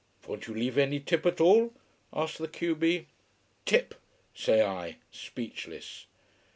"Won't you leave any tip at all?" asks the q b. "Tip!" say I, speechless.